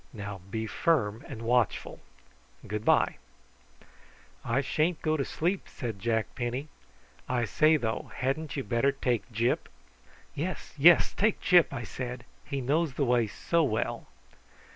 Now be firm and watchful. Good bye." "I sha'n't go to sleep," said Jack Penny. "I say, though, hadn't you better take Gyp?" "Yes, yes; take Gyp!" I said; "he knows the way so well."